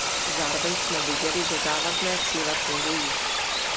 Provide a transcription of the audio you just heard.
Zároveň jsme viděli, že závazné cíle fungují.